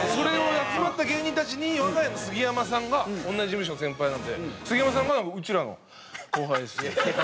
集まった芸人たちに我が家の杉山さんが同じ事務所の先輩なので杉山さんが「うちらの後輩です」みたいな。